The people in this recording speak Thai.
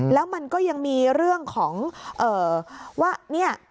แล้วมันก็ยังมีเรื่องของว่าเนี่ย